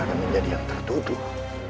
akan menjadi yang tertuduh